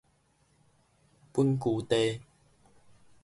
本居地